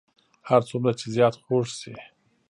هر څومره چې زیات خوږ شي.